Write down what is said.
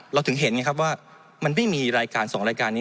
เราถึงเห็นไงครับว่ามันไม่มีรายการ๒รายการนี้